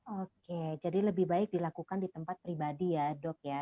oke jadi lebih baik dilakukan di tempat pribadi ya dok ya